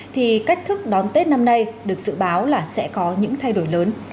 thì cách thức đón tết năm nay được dự báo là sẽ có những thay đổi lớn